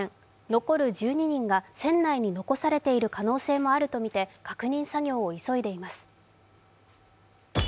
残る１２人が船内に残されている可能性もあるとみて確認作業を急いでいます。